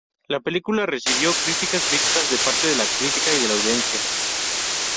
La película recibió críticas mixtas de parte de la crítica y de la audiencia.